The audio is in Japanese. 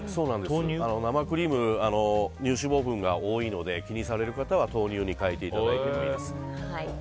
生クリームは乳脂肪分が多いので気にされる方は豆乳に変えていただくといいと思います。